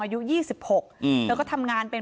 อายุ๒๖เธอก็ทำงานเป็น